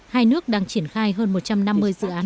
hai nước đang triển khai hơn một trăm năm mươi dự án